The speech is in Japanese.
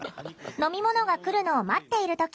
飲み物が来るのを待っている時